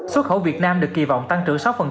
xuất khẩu việt nam được kỳ vọng tăng trưởng